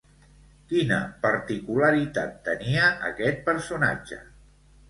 Quina particularitat tenia aquest personatge?